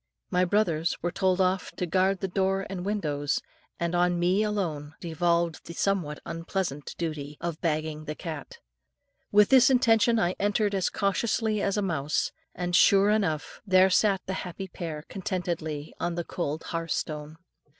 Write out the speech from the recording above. My brothers were told off to guard the door and windows, and on me alone devolved the somewhat unpleasant duty, of bagging the cat. With this intention I entered as cautiously as a mouse, and sure enough there sat the happy pair, contentedly, on the cold hearthstone.